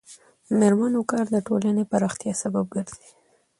د میرمنو کار د ټولنې پراختیا سبب ګرځي.